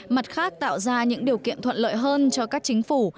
mặt khác tạo ra những điều kiện thuận lợi hơn cho các chính phủ